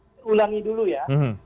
saya ulangi dulu ya